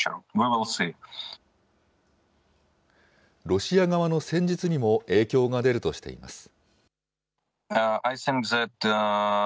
ロシア側の戦術にも影響が出るとしています。